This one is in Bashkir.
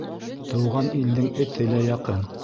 Тыуған илдең эте лә яҡын.